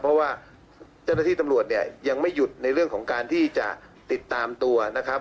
เพราะว่าเจ้าหน้าที่ตำรวจเนี่ยยังไม่หยุดในเรื่องของการที่จะติดตามตัวนะครับ